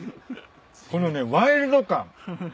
このねワイルド感。